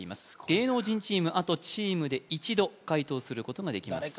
芸能人チームあとチームで１度解答することができます